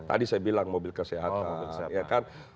tadi saya bilang mobil kesehatan